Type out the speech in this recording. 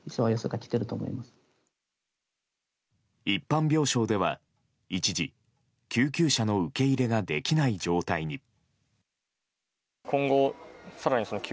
一般病床では、一時救急車の受け入れができない状態に。